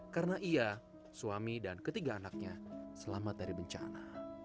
karena ia suami dan ketiga anaknya selamat dari bencana